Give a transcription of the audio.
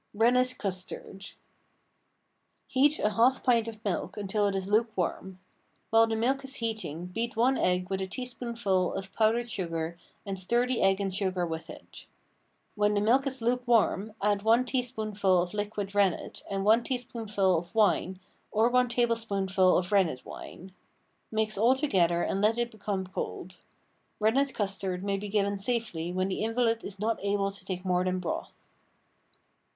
RENNET CUSTARD. Heat a half pint of milk until it is lukewarm. While the milk is heating beat one egg with a teaspoonful of powdered sugar and stir the egg and sugar in with it. When the milk is lukewarm add one teaspoonful of liquid rennet and one teaspoonful of wine or one tablespoonful of rennet wine. Mix all together and let it become cold. Rennet custard may be given safely when the invalid is not able to take more than broth.